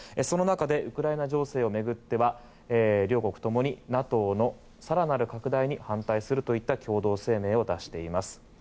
その中でウクライナ情勢を巡ってはＮＡＴＯの更なる拡大に反対するといった共同声明を出しています。